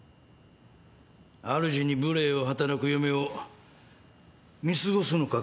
あるじに無礼を働く嫁を見過ごすのか？